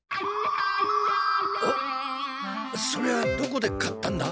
おっそれはどこで買ったんだ？